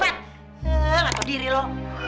heeh ngaku diri lo